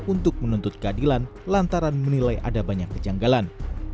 untuk menuntut keadilan lantaran menilai ada banyak kejanggalan